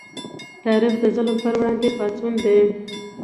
تاریخ د ظلم پر وړاندې پاڅون دی.